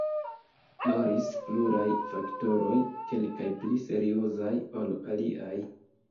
Rolis pluraj faktoroj, kelkaj pli seriozaj ol aliaj.